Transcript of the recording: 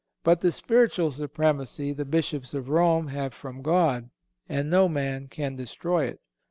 But the spiritual supremacy the Bishops of Rome have from God, and no man can destroy it.